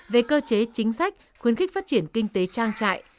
về cơ chế chính sách khuyến khích phát triển kinh tế trang trại